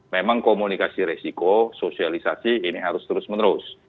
memang komunikasi resiko sosialisasi ini harus terus menerus